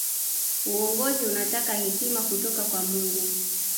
uongozi unataka hekima kutoka kwa mungu